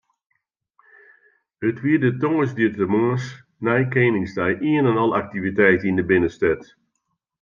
It wie de tongersdeitemoarns nei Keningsdei ien en al aktiviteit yn de binnenstêd.